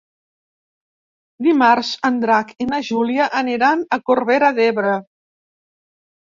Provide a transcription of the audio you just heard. Dimarts en Drac i na Júlia aniran a Corbera d'Ebre.